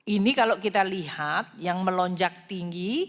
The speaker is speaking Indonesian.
ini kalau kita lihat yang melonjak tinggi